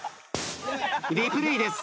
リプレイです。